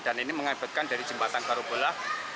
dan ini mengembatkan dari jembatan karubola